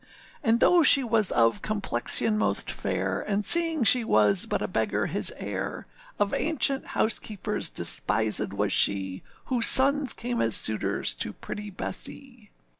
And though she was of complexion most fair, And seeing she was but a beggar his heir, Of ancient housekeepers despisèd was she, Whose sons came as suitors to pretty Bessee.